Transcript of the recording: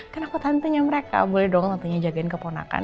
kan aku tantunya mereka boleh dong tantunya jagain keponakan